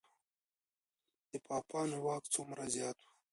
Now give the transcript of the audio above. د پاپانو واک څومره زیات و؟